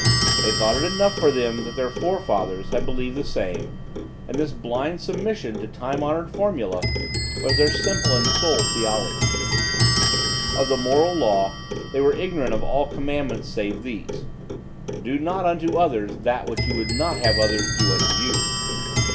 They thought it enough for them that their forefathers had believed the same; and this blind submission to time honored formulæ was their simple and sole theology. Of the moral law, they were ignorant of all commandments save this: Do not unto others that which you would not have others do unto you.